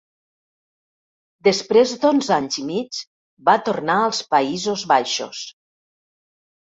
Després d'onze anys i mig va tornar als Països Baixos.